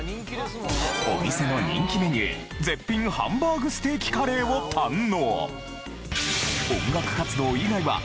お店の人気メニュー絶品ハンバーグステーキカレーを堪能！